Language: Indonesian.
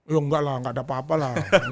loh enggak lah gak ada apa apa lah